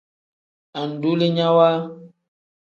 Andulinyawa.